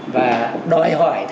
và đòi hỏi